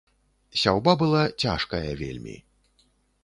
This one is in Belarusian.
Сяўба была цяжкая вельмі.